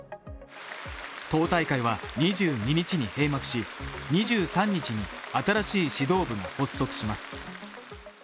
党大会は２２日に閉幕し、２３日に新しい指導部が発足します。